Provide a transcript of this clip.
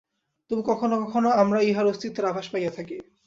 তবুও কখনও কখনও আমরা ইঁহার অস্তিত্বের আভাস পাইয়া থাকি।